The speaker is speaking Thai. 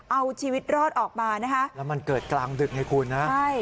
เอาชีวิตรอดออกมานะคะแล้วมันเกิดกลางดึกไงคุณนะใช่